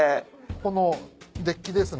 このデッキですね